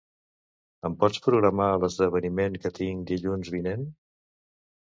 Em pots programar l'esdeveniment que tinc dilluns vinent?